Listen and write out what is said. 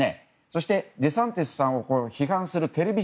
そして、デサンティスさんを批判するテレビ